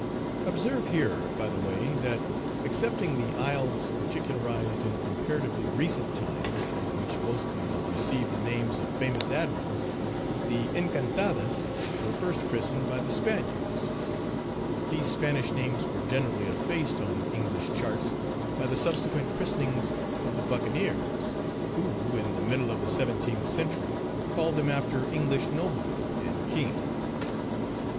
Observe here, by the way, that, excepting the isles particularized in comparatively recent times, and which mostly received the names of famous Admirals, the Encantadas were first christened by the Spaniards; but these Spanish names were generally effaced on English charts by the subsequent christenings of the Buccaneers, who, in the middle of the seventeenth century, called them after English noblemen and kings.